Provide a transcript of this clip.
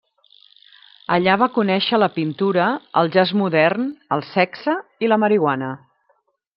Allà va conèixer la pintura, el jazz modern, el sexe i la marihuana.